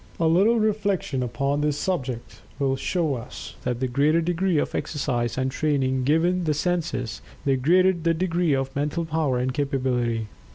A little reflection upon this subject will show us that the greater degree of exercise and training given the senses, the greater the degree of mental power and capability.